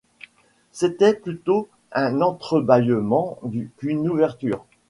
C’était plutôt un entre-bâillement qu’une ouverture.